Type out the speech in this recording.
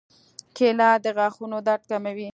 کېله د غاښونو درد کموي.